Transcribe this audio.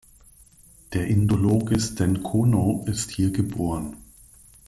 Der Indologe Sten Konow ist hier geboren.